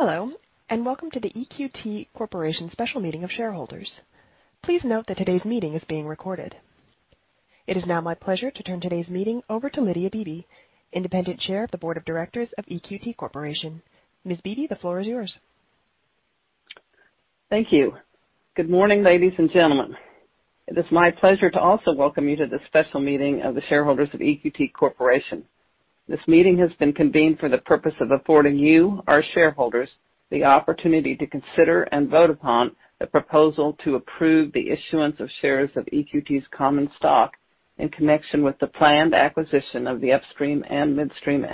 Hello, and welcome to the EQT Corporation special meeting of shareholders. Please note that today's meeting is being recorded. It is now my pleasure to turn today's meeting over to Lydia I. Beebe, Independent Chair of the Board of Directors of EQT Corporation. Ms. Beebe, the floor is yours. Thank you. Good morning, ladies and gentlemen. It is my pleasure to also welcome you to the special meeting of the shareholders of EQT Corporation. This meeting has been convened for the purpose of affording you, our shareholders, the opportunity to consider and vote upon the proposal to approve the issuance of shares of EQT's common stock in connection with the planned acquisition of the upstream and midstream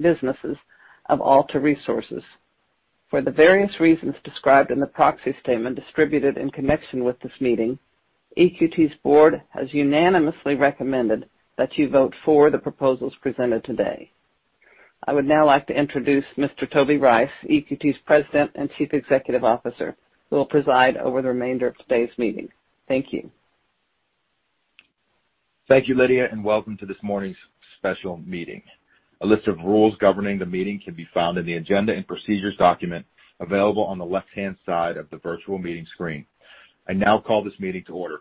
businesses of Alta Resources. For the various reasons described in the proxy statement distributed in connection with this meeting, EQT's board has unanimously recommended that you vote for the proposals presented today. I would now like to introduce Mr. Toby Rice, EQT's President and Chief Executive Officer, who will preside over the remainder of today's meeting. Thank you. Thank you, Lydia, and welcome to this morning's special meeting. A list of rules governing the meeting can be found in the agenda and procedures document available on the left-hand side of the virtual meeting screen. I now call this meeting to order.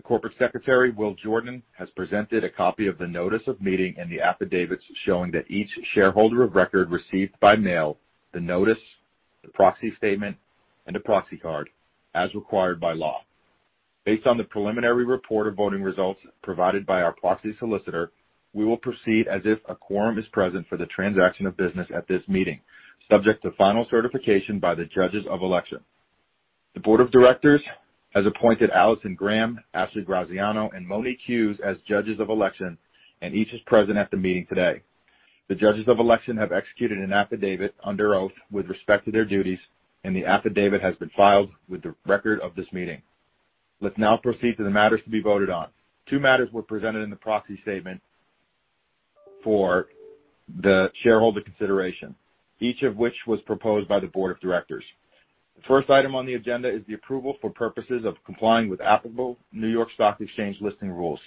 The Corporate Secretary, Will Jordan, has presented a copy of the notice of meeting and the affidavits showing that each shareholder of record received by mail the notice, the proxy statement, and a proxy card as required by law. Based on the preliminary report of voting results provided by our proxy solicitor, we will proceed as if a quorum is present for the transaction of business at this meeting, subject to final certification by the judges of election. The board of directors has appointed Allison Graham, Ashley Graziano, and Monique Hughes as Judges of Election, and each is present at the meeting today. The judges of election have executed an affidavit under oath with respect to their duties, and the affidavit has been filed with the record of this meeting. Let's now proceed to the matters to be voted on. Two matters were presented in the proxy statement for the shareholder consideration, each of which was proposed by the board of directors. The first item on the agenda is the approval for purposes of complying with applicable New York Stock Exchange listing rules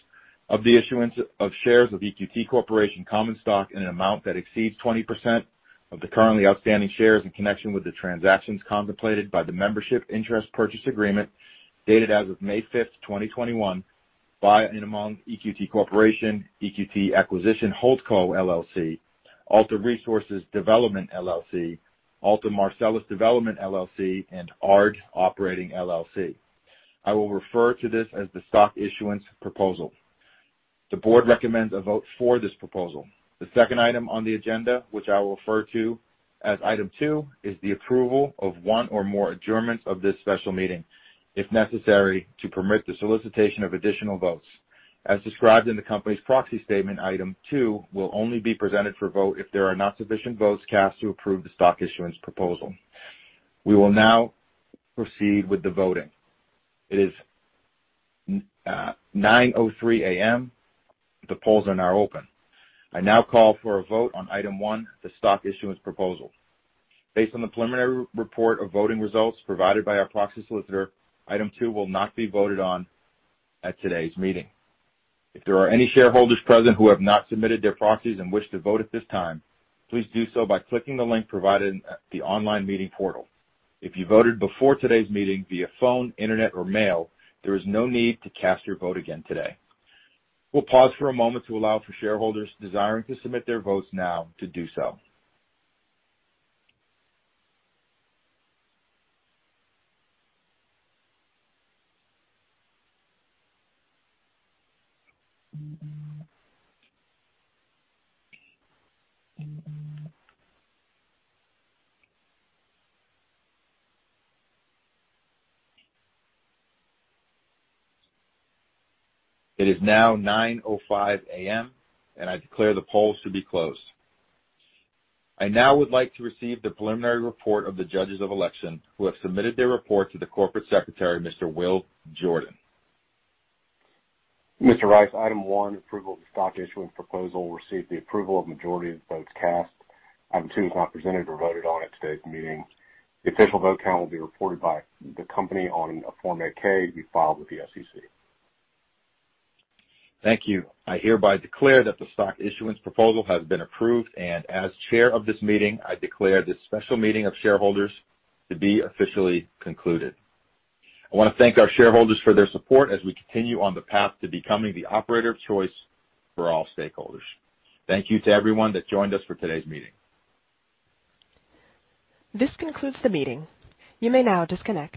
of the issuance of shares of EQT Corporation common stock in an amount that exceeds 20% of the currently outstanding shares in connection with the transactions contemplated by the membership interest purchase agreement, dated as of May 5, 2021 by and among EQT Corporation, EQT Acquisition HoldCo LLC, Alta Resources Development, LLC, Alta Marcellus Development, LLC, and ARD Operating, LLC. I will refer to this as the stock issuance proposal. The board recommends a vote for this proposal. The second item on the agenda, which I will refer to as item two, is the approval of one or more adjournments of this special meeting, if necessary, to permit the solicitation of additional votes. As described in the company's proxy statement, item two will only be presented for vote if there are not sufficient votes cast to approve the stock issuance proposal. We will now proceed with the voting. It is 9:00 A.M. The polls are now open. I now call for a vote on item one, the stock issuance proposal. Based on the preliminary report of voting results provided by our proxy solicitor, item two will not be voted on at today's meeting. If there are any shareholders present who have not submitted their proxies and wish to vote at this time, please do so by clicking the link provided at the online meeting portal. If you voted before today's meeting via phone, Internet, or mail, there is no need to cast your vote again today. We'll pause for a moment to allow for shareholders desiring to submit their votes now to do so. It is now 9:00 A.M., and I declare the polls to be closed. I now would like to receive the preliminary report of the Judges of Election who have submitted their report to the Corporate Secretary, Mr. Will Jordan. Mr. Rice, item one, approval of the stock issuance proposal, received the approval of majority of the votes cast. Item two is not presented or voted on at today's meeting. The official vote count will be reported by the company on a Form 8-K to be filed with the SEC. Thank you. I hereby declare that the stock issuance proposal has been approved, and as chair of this meeting, I declare this special meeting of shareholders to be officially concluded. I want to thank our shareholders for their support as we continue on the path to becoming the operator of choice for all stakeholders. Thank you to everyone that joined us for today's meeting. This concludes the meeting. You may now disconnect.